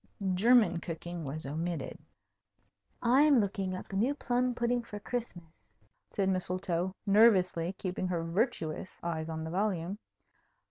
German cooking was omitted. "I'm looking up a new plum pudding for Christmas," said Mistletoe, nervously, keeping her virtuous eyes on the volume.